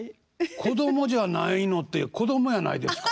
「子供じゃないの」って子供やないですか。